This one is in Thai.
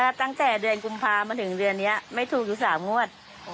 ก็ตั้งแต่เดือนกลุ่มภาพมาถึงเดือนนี้ไม่ทูบกว่า๓งวด